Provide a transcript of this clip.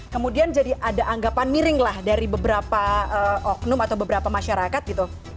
kemudian jadi ada anggapan miring lah dari beberapa oknum atau beberapa masyarakat gitu